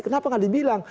kenapa gak dibilang